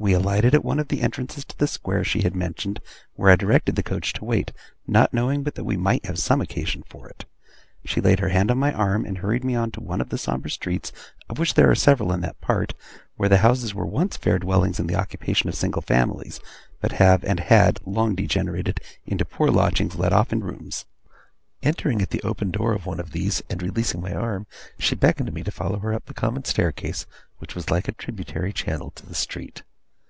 We alighted at one of the entrances to the Square she had mentioned, where I directed the coach to wait, not knowing but that we might have some occasion for it. She laid her hand on my arm, and hurried me on to one of the sombre streets, of which there are several in that part, where the houses were once fair dwellings in the occupation of single families, but have, and had, long degenerated into poor lodgings let off in rooms. Entering at the open door of one of these, and releasing my arm, she beckoned me to follow her up the common staircase, which was like a tributary channel to the street.